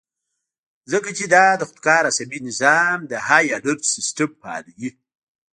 ځکه چې دا د خودکار اعصابي نظام د هائي الرټ سسټم فعالوي